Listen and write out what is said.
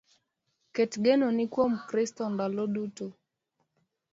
Ket genoni kuom Kristo ndalo duto